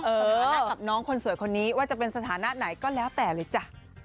สถานะกับน้องคนสวยคนนี้ว่าจะเป็นสถานะไหนก็แล้วแต่เลยจ้ะ